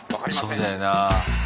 そうだよな。